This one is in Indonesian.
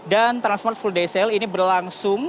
dan transmart full day sale ini berlangsung